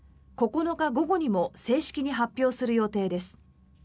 ９日午後にも正式に発表する予定です。